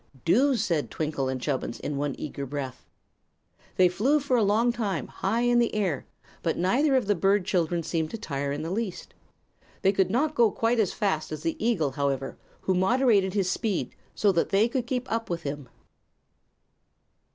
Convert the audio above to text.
"Do!" said Twinkle and Chubbins, in one eager breath. They flew for a long time, high in the air, but neither of the bird children seemed to tire in the least. They could not go quite as fast as the eagle, however, who moderated his speed so that they could keep up with him.